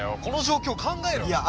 この状況を考えろ！